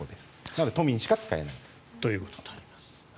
なので都民しか使えない。ということになります。